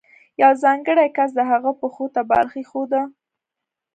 یو ځانګړی کس د هغه پښو ته بالښت ایښوده.